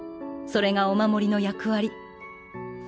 それがお守りの役割